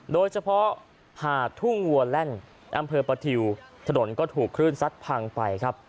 โดยเฉพาะหาดทุ่งวัวแล่นอำเภอประทิวถนนก็ถูกคลื่นซัดพังไปครับ